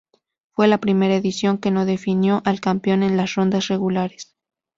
Fue la primera edición que no definió al campeón en las rondas regulares.